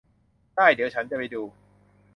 ได้ เดี๋ยวฉันจะไปดู